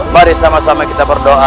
mari sama sama kita berdoa